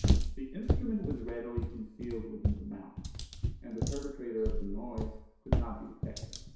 The instrument was readily concealed within the mouth, and the perpetrator of the noise could not be detected.